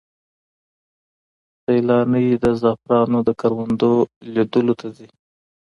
سیلانۍ د زعفرانو د کروندو لیدلو ته ځي.